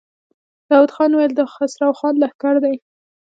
داوود خان وويل: د خسرو خان لښکر دی.